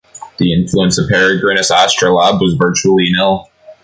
The influence of Peregrinus' astrolabe was virtually nil.